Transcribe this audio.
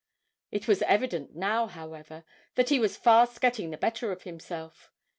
It was evident now, however, that he was fast getting the better of himself.